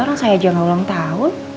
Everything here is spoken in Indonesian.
orang saya aja gak ulang tahun